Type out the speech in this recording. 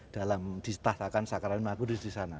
dalam ditasakan sakarani maha kudus disana